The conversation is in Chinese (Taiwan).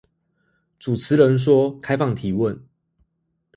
主持人說開放提問